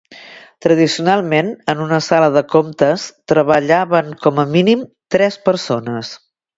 Tradicionalment, en una sala de comptes treballaven com a mínim tres persones.